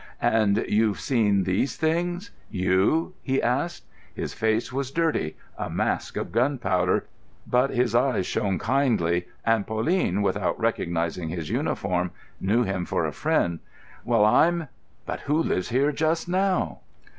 "And you've seen these things? You?" he asked. His face was dirty—a mask of gunpowder; but his eyes shone kindly, and Pauline, without recognising his uniform, knew him for a friend. "Well, I'm——! But who lives here just now?"